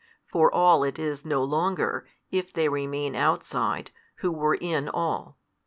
For all it is no longer, if they remain outside, who were in all.